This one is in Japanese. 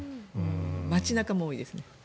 街中も多いですね。